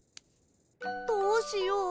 どうしよう